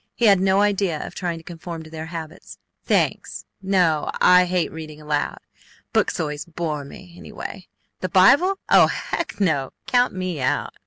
He had no idea of trying to conform to their habits. "Thanks! No! I hate reading aloud. Books always bore me anyway. The Bible! Oh Heck! NO! Count me out!"